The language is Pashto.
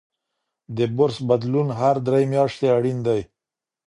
د برس بدلون هر درې میاشتې اړین دی.